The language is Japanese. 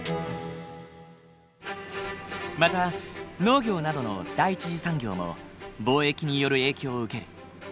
また農業などの第一次産業も貿易による影響を受ける。